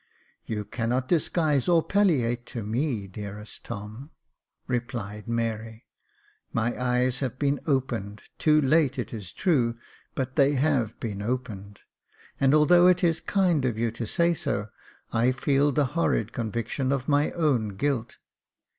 You cannot disguise or palliate to me, dearest Tom," Jacob Faithful 417 replied Mary ;" my eyes have been opened, too late it is true, but they have been opened ; and although it is kind of you to say so, I feel the horrid conviction of my own guilt.